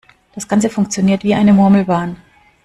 Das Ganze funktioniert wie eine Murmelbahn.